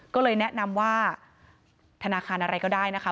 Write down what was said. ก็เลยแนะนำว่าธนาคารอะไรก็ได้นะคะ